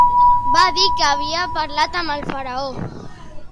Va dir que havia parlat amb el Faraó.